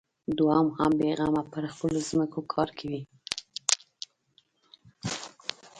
دوى هم بېغمه پر خپلو ځمکو کار کوي.